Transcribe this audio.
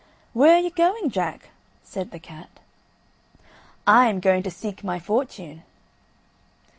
"Where are you going, Jack?" said the cat. "I am going to seek my fortune."